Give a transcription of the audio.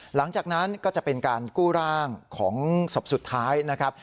หลังจากนั้นก็จะเป็นการกู้ร่างของศพสุดท้ายนะครับ